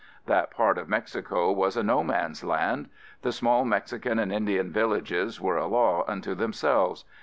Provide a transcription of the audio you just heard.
That part of Mexico was a no man's land. The small Mexican and Indian villages were a law unto themselves.